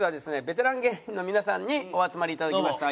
ベテラン芸人の皆さんにお集まりいただきました。